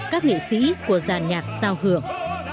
các nghệ sĩ của giàn nhạc sao hưởng